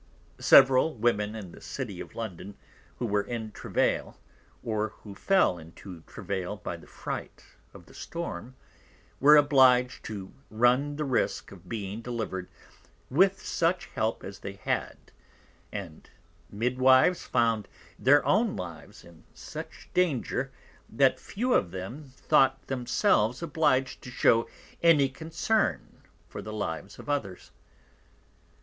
Several Women in the City of London who were in Travail, or who fell into Travail by the Fright of the Storm, were oblig'd to run the risque of being delivered with such Help as they had; and Midwives found their own Lives in such Danger, that few of them thought themselves oblig'd to shew any Concern for the Lives of others.